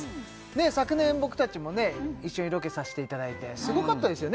昨年僕たちもね一緒にロケさせていただいてすごかったですよね